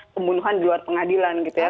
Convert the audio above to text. pembunuhan di luar pengadilan gitu ya